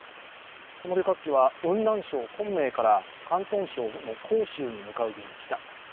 この旅客機は雲南省昆明から広東省の広州に向かう便でした。